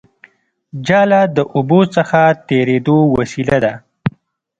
جاله د اوبو څخه تېرېدو وسیله ده